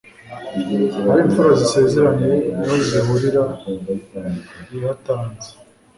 aho imfura zisezeraniye niho zihurira ihatanze